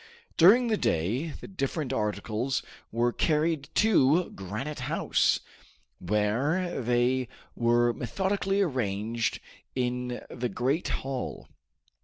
During the day the different articles were carried to Granite House, where they were methodically arranged in the great hall.